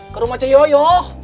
ke rumah cei yoyo